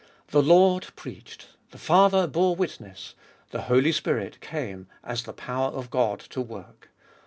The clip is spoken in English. The Lord preached, the Father bore witness, the Holy Spirit came as the power of God to work.